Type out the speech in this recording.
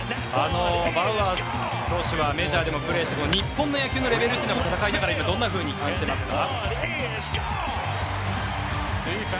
バウアー投手はメジャーでもプレーして日本の野球のレベルというのは戦いながら今どんなふうに感じていますか？